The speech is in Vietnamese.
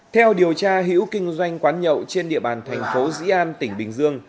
theo điều tra hữu kinh doanh quán nhậu trên địa bàn thành phố dĩ an tỉnh bình dương